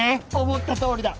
思ったとおりだ。